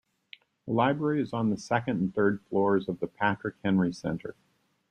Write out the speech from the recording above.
The library is on the second and third floors of the Patrick Henry Center.